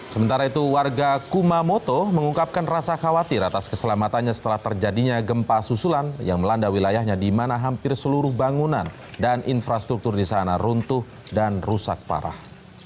sementara itu warga kumamoto mengungkapkan rasa khawatir atas keselamatannya setelah terjadinya gempa susulan yang melanda wilayahnya di mana hampir seluruh bangunan dan infrastruktur di sana runtuh dan rusak parah